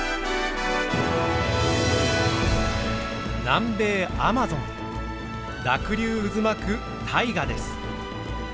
南米アマゾン濁流渦巻く大河です。